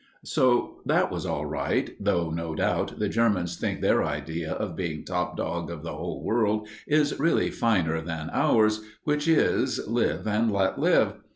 So that was all right, though, no doubt, the Germans think their idea of being top dog of the whole world is really finer than ours, which is "Live and let live."